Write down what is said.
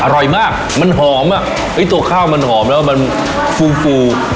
อร่อยมากมันหอมอ่ะตัวข้าวมันหอมแล้วมันฟูฟู